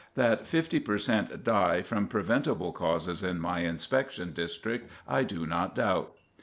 That fifty per cent die from preventable causes in my inspection district I do not doubt."